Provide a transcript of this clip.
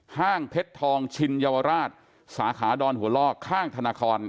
ห้างเพชรทองชินเยาวราชสาขาดอนหัวล่อข้างธนคร